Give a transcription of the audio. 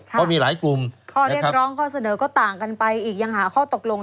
ข้อเรียกร้องข้อเสนอก็ต่างกันไปอีกยังหาข้อตกลง